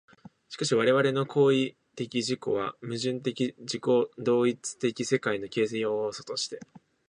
しかし我々の行為的自己は、矛盾的自己同一的世界の形成要素として、